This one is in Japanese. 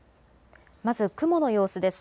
まず雲の様子です。